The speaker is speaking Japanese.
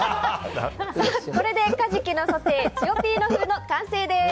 これでカジキのソテーチオピーノ風の完成です。